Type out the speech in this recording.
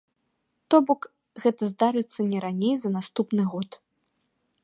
То бок, гэта здарыцца не раней за наступны год.